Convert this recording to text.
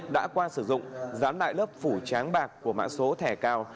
đã qua sử dụng dán lại lớp phủ tráng bạc của mã số thẻ cao